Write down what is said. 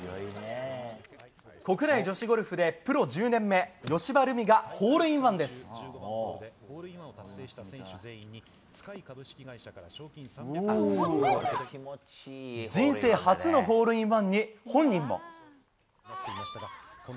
国内女子ゴルフでプロ１０年目葭葉ルミがホールインワンです人生初のホールインワンに本人も。